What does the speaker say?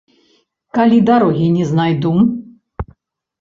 Калі дарогі не знайду?